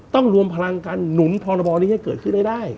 ต้องรวมพลังการหนุนพรบนี้ให้เกิดขึ้นให้ได้